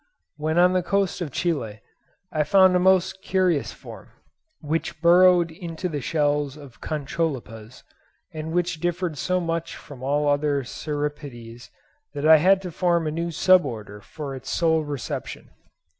When on the coast of Chile, I found a most curious form, which burrowed into the shells of Concholepas, and which differed so much from all other Cirripedes that I had to form a new sub order for its sole reception.